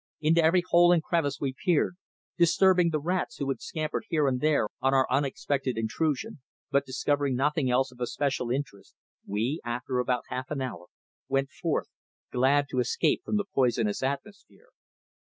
Into every hole and crevice we peered, disturbing the rats who had scampered here and there on our unexpected intrusion, but discovering nothing else of especial interest, we, after about half an hour, went forth, glad to escape from the poisonous atmosphere.